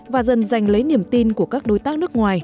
và dần dành lấy niềm tin của các đối tác nước ngoài